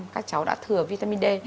các cháu đã thừa vitamin d